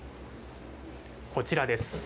こちらです。